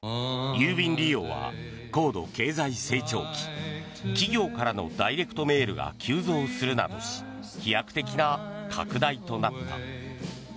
郵便利用は高度経済成長期企業からのダイレクトメールが急増するなどし飛躍的な拡大となった。